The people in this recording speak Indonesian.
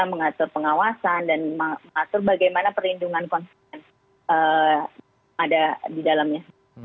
mengatur pengawasan dan mengatur bagaimana perlindungan konsumen ada di dalamnya